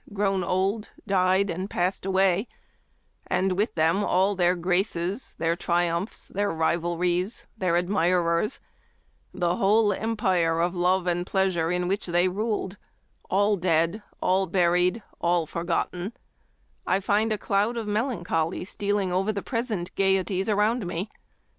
grown old, died, and passed away, and with them all their graces, their triumphs, their rivalries, their admirers ; the whole empire of love and pleasure in which they ruled — 'all dead, all buried, all forgotten' — I find a cloud of melan choly stealing over the present gayeties around me.